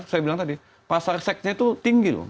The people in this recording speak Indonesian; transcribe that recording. saya bilang tadi pasar seksnya itu tinggi loh